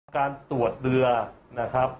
การตรวจเรือนะครับ